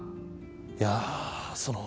いやそのう。